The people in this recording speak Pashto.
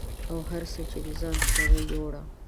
او هر څه یې د ځان سره یووړه